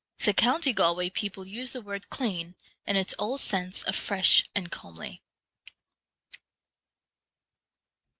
' The county Galway people use the word * clean ' in its old sense of fresh and comely.